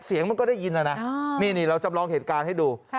เสียงมันก็ได้ยินนะนะนี่เราจำลองเหตุการณ์ให้ดู